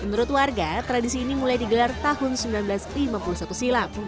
menurut warga tradisi ini mulai digelar tahun seribu sembilan ratus lima puluh satu silam